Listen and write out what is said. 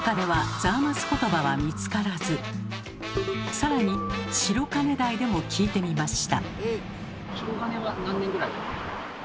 さらに白金台でも聞いてみました。